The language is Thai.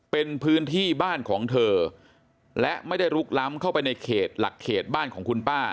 เป็นพื้นที่บ้านของเธอและไม่ได้ลุกล้ำเข้าไปในเขตหลักเขตบ้านของคุณป้า